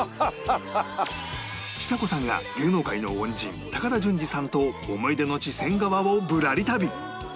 ちさ子さんが芸能界の恩人高田純次さんと思い出の地仙川をぶらり旅